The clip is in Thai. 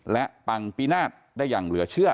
และปังปินาศได้อย่างเหลือเชื่อ